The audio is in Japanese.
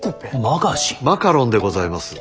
マカロンでございます。